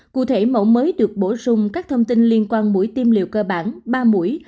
cụ thể mẫu mới được bổ sung các thông tin liên quan mũi tiêm liều cơ bản ba mũi